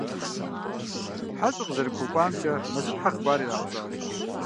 ХьэщӀэ къазэрыхуэкӀуамкӀэ Мэзытхьэ хъыбар ирагъэщӀащ.